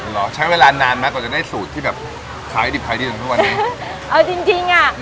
เหรอใช้เวลานานไหมกว่าจะได้สูตรที่แบบขายดิบขายดีถึงทุกวันนี้เอาจริงจริงอ่ะ